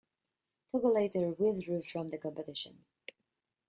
Togo later withdrew from the competition.